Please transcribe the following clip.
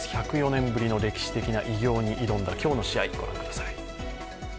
１０４年ぶりの歴史的な偉業に挑んだ今日の試合、御覧ください。